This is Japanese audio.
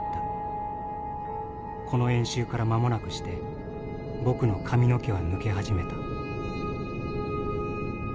この演習から間もなくして僕の髪の毛は抜け始めた」。